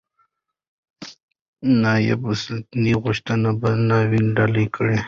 نایبالسلطنه غوښتل بل ناول ډالۍ کړي.